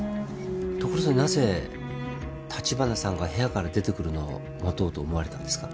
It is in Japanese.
ところでなぜ橘さんが部屋から出てくるのを待とうと思われたんですか？